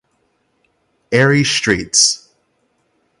Airy Streets.